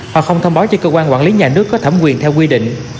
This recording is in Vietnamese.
hoặc không thông báo cho cơ quan quản lý nhà nước có thẩm quyền theo quy định